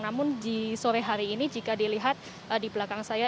namun di sore hari ini jika dilihat di belakang saya